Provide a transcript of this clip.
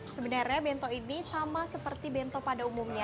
sebenarnya bento ini sama seperti bento pada umumnya